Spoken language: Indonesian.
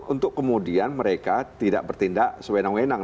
untuk kemudian mereka tidak bertindak sewenang wenang